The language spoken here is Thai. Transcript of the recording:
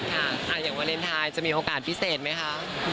อย่างวาเลนไทยจะมีโอกาสพิเศษไหมคะ